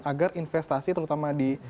agar investasi terutama di